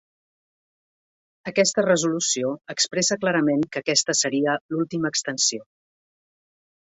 Aquesta resolució expressa clarament que aquesta seria l'última extensió.